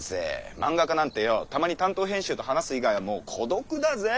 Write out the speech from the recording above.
漫画家なんてよォたまに担当編集と話す以外はもう孤独だぜェ？